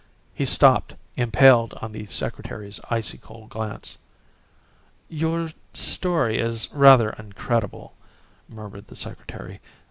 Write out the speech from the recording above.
He stopped, impaled on the Secretary's icy cold glance. "Your story is rather incredible," murmured the Secretary.